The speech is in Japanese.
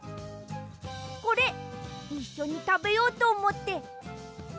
これいっしょにたべようとおもって。